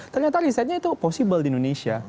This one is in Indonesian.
ternyata risetnya itu possible di indonesia